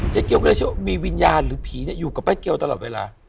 เจ๊เกี๊ยวเกลชะวะมีวิญญาณหรือผีอยู่กับแม่เกี๊ยวตลอดเวลา